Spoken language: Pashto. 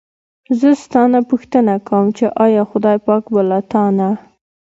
زه ستا نه پوښتنه کووم چې ایا خدای پاک به له تا نه.